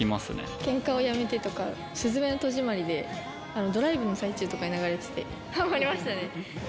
けんかをやめてとか、すずめの戸締まりでドライブの最中とかに流れてて、はまりましたね。